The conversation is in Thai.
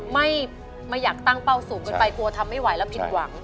ไม่ไม่อยากตั้งเป้าสูงเกินไปกลัวทำไม่ไหวแล้วผิดหวัง